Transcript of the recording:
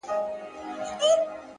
هره ورځ د اصلاح نوې موقع ده،